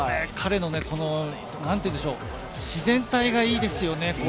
彼の自然体がいいですよね。